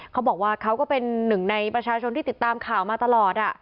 เขาบอกว่าเขาก็เป็นหนึ่งในประชาชนที่ติดตามข่าวมาตลอด